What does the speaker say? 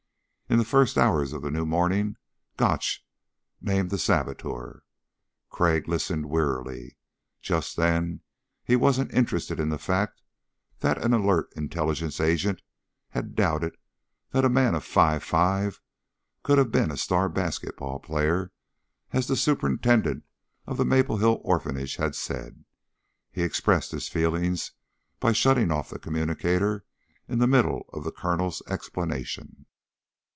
In the first hours of the new morning Gotch named the saboteur. Crag listened, wearily. Just then he wasn't interested in the fact that an alert intelligence agent had doubted that a man of 5' 5" could have been a star basketball player, as the Superintendent of the Maple Hill Orphanage had said. He expressed his feelings by shutting off the communicator in the middle of the Colonel's explanation.